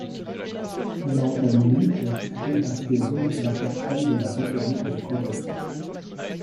L'antenne unique est située à Séoul, la capitale de la République de Corée.